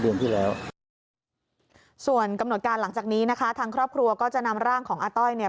ที่แล้วส่วนกำหนดการหลังจากนี้นะคะทางครอบครัวก็จะนำร่างของอาต้อยเนี่ย